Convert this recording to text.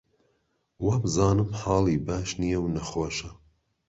وابزانم حاڵی باش نییە و نەخۆشە